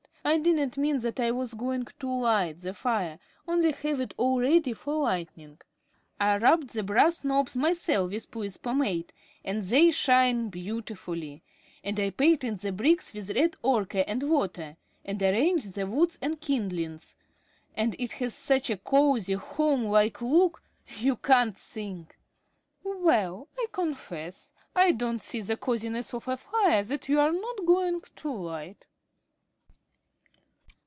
And I didn't mean that I was going to light the fire, only have it all ready for lighting. I rubbed the brass knobs myself with Puit's Pomade, and they shine beautifully, and I painted the bricks with red ochre and water, and arranged the wood and kindlings, and it has such a cosy, homelike look, you can't think!" "Well, I confess I don't see the cosiness of a fire that you're never going to light."